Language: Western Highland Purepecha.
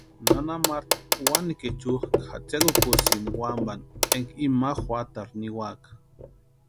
Nana Marta wanikwa echukʼa jatsiakukusïnti wampa énka ima juatarhu niwaka.